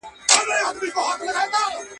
و گټه، پيل وخوره.